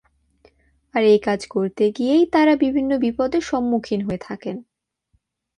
আর এই কাজ করতে গিয়েই তাঁরা বিভিন্ন বিপদের সম্মুখীন হয়ে থাকেন।